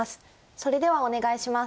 それではお願いします。